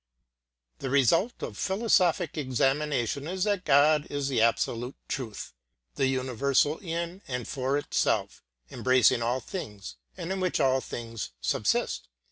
The result of philosophic examination is that God is the absolute truth, the universal in and for itself, embracing all things and in which all things subsist.